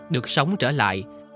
được sống trở lại